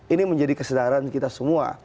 ini menjadi kesadaran kita semua